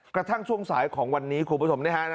กระทั่งช่วงสายของวันนี้คุณผู้ชมนะครับ